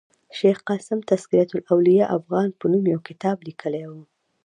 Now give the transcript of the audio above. شېخ قاسم تذکرة الاولياء افغان په نوم یو کتاب لیکلی ؤ.